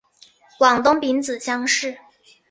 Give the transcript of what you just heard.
广东丙子乡试。